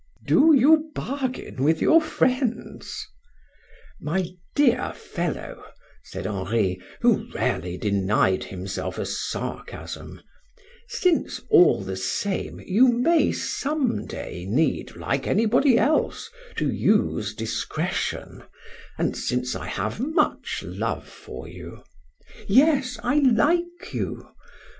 "Do you bargain with your friends?" "My dear fellow," said Henri, who rarely denied himself a sarcasm, "since all the same, you may some day need, like anybody else, to use discretion, and since I have much love for you yes, I like you!